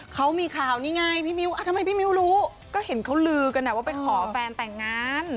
เขามีข่าวนี่ไงพี่มิ้วทำไมพี่มิ้วรู้ก็เห็นเขาลือกันว่าไปขอแฟนแต่งงาน